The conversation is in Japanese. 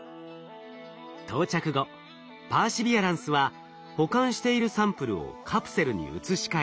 到着後パーシビアランスは保管しているサンプルをカプセルに移し替え